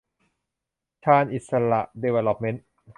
ชาญอิสสระ ดีเวล็อปเมนท์